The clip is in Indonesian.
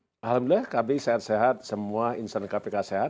alhamdulillah kami sehat sehat semua insen kpk sehat